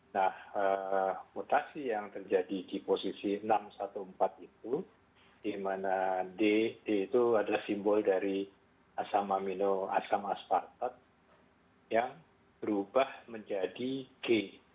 nah mutasi yang terjadi di posisi enam ratus empat belas itu di mana d itu adalah simbol dari asam amino asam asparted yang berubah menjadi g